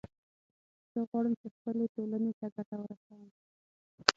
زه غواړم چې خپلې ټولنې ته ګټه ورسوم